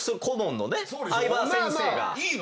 いいの？